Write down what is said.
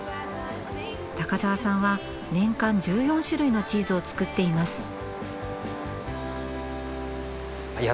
高沢さんは年間１４種類のチーズを作っています。